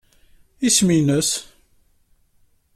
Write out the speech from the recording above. Isem-nnes?